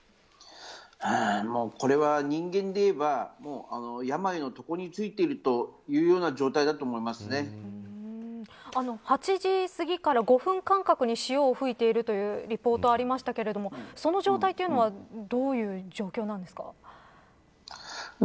もう、これは人間でいえば病の床についているというような８時すぎから、５分間隔で潮を吹いているというリポートがありましたけどその状態というのはどういう状況なんですか。